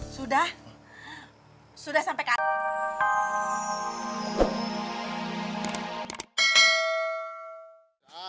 sudah sudah sampai kacau